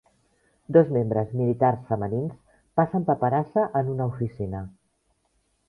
Dos membres militars femenins passen paperassa en una oficina